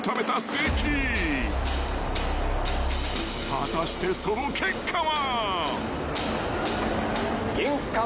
［果たしてその結果は］